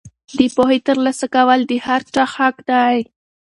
د پوهې ترلاسه کول د هر چا حق دی.